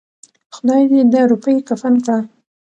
خداى دې دا روپۍ کفن کړه.